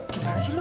gimana sih lu